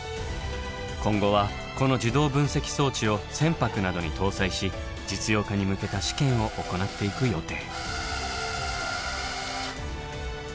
今後はこの自動分析装置を船舶などに搭載し実用化に向けた試験を行っていく予定。